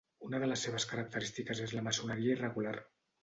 Una de les seves característiques és la maçoneria irregular.